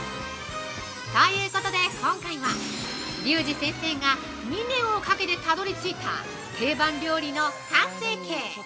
◆ということで今回は、リュウジ先生が、２年をかけてたどり着いた、定番料理の完成形！